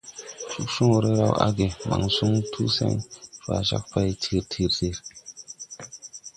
Cogcõõre raw age, man soŋ tu sen, cwa jag pay tir tir tir.